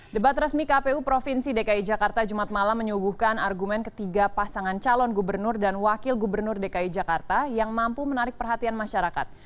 debat resmi kpu provinsi dki jakarta jumat malam menyuguhkan argumen ketiga pasangan calon gubernur dan wakil gubernur dki jakarta yang mampu menarik perhatian masyarakat